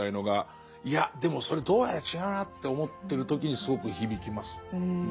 いやでもそれどうやら違うなって思ってる時にすごく響きます。